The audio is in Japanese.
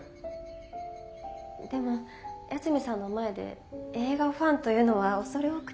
でも八海さんの前で映画ファンというのは恐れ多くて。